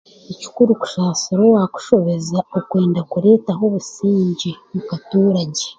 Ni kikuru kusaasira owaakushobeza okwenda kureetaho obusingye mukatuura gye